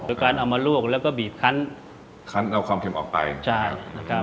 โดยการเอามาลวกแล้วก็บีบคันคันเอาความเค็มออกไปใช่นะครับ